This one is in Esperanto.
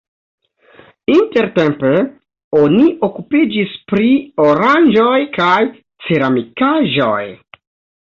Intertempe oni okupiĝis pri oranĝoj kaj ceramikaĵoj.